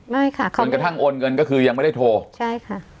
ไม่ค่ะเหมือนกระทั่งโอนเงินก็คือยังไม่ได้โทร